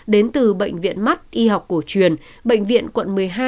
đến từ bệnh viện mắt y học cổ truyền bệnh viện quận một mươi hai